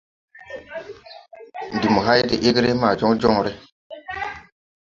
Ndi mo hay de egre ma jɔnjɔŋre.